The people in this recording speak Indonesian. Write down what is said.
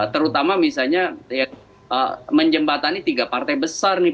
terutama misalnya menjembatani tiga partai besar nih